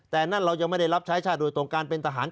แต่นั่นเรายังไม่ได้รับใช้ชาติโดยตรงการเป็นทหาร